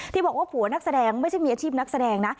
บอกว่าผัวนักแสดงไม่ใช่มีอาชีพนักแสดงนะ